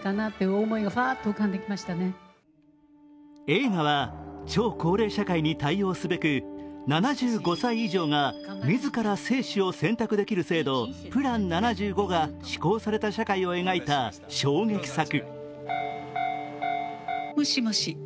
映画は超高齢社会に対応すべく７５歳以上が自ら生死を選択できる制度、プラン７５が施行された社会を描いた衝撃作。